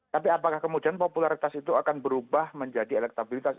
tapi apakah kemudian popularitas itu akan berubah menjadi elektabilitas